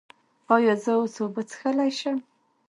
ایا زه اوس اوبه څښلی شم؟